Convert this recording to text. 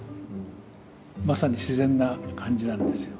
まさに自然な感じなんですよ。